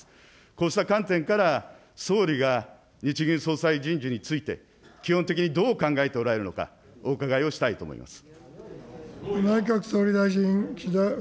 こうした観点から、総理が日銀総裁人事について、基本的にどう考えておられるのか、お伺いをしたいと思います。